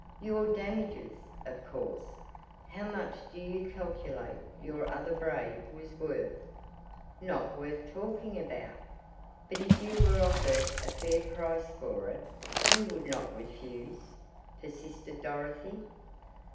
"Your damages, of course. How much do you calculate your other braid was worth?" "Not worth talking about." "But if you were offered a fair price for it you would not refuse?" persisted Dorothy.